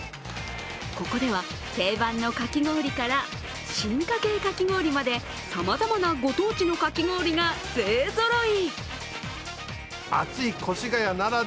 ここでは定番のかき氷から進化形かき氷までさまざまなご当地のかき氷が勢ぞろい。